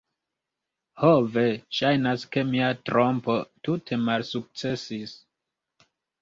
Ho ve, ŝajnas ke mia trompo tute malsukcesis.